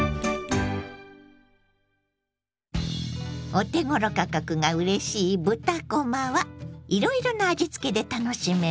お手ごろ価格がうれしい豚こまはいろいろな味付けで楽しめます。